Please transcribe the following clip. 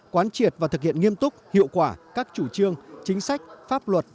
quán triệt và thực hiện nghiêm túc hiệu quả các chủ trương chính sách pháp luật